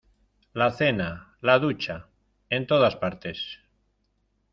la cena, la ducha , en todas partes.